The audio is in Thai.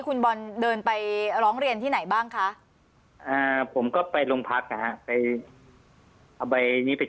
คุณบอลเดินไปร้องเรียนที่ไหนบ้างคะผมก็ไปโรงพักนะฮะไปเอาใบนี้ไป